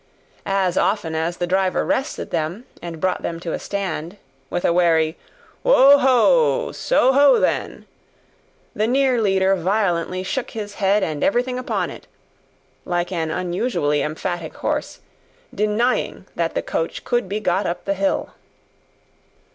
As often as the driver rested them and brought them to a stand, with a wary "Wo ho! so ho then!" the near leader violently shook his head and everything upon it like an unusually emphatic horse, denying that the coach could be got up the hill.